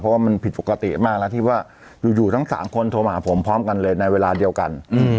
เพราะว่ามันผิดปกติมากแล้วที่ว่าอยู่ทั้ง๓คนโทรมาหาผมพร้อมกันเลยในเวลาเดียวกัน